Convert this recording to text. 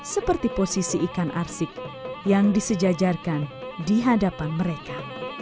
seperti posisi ikan arsik yang disejajarkan di hadapan mereka